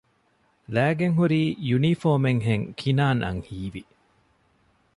ލައިގެންހުރީ ޔުނީފޯމެއްހެން ކިނާންއަށް ހީވި